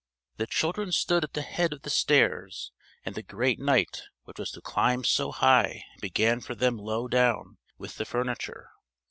The children stood at the head of the stairs; and the Great Night which was to climb so high began for them low down with the furniture.